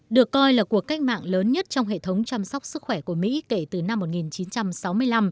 được coi là cuộc cách mạng lớn nhất trong hệ thống chăm sóc sức khỏe của mỹ kể từ năm một nghìn chín trăm sáu mươi năm